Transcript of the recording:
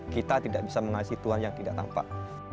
kita tidak bisa mengasih tuhan yang tidak tampak